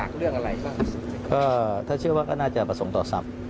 ก็น่าจะเปื่อนต้นประสงค์ต่อสรรค์